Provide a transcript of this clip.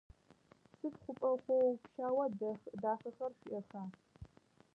Сыдэу хъупӏэ хъоу-пщау дахэхэр шъуиӏэха?